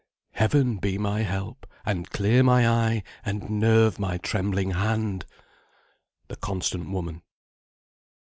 Heaven be my help; And clear my eye, and nerve my trembling hand!" "THE CONSTANT WOMAN."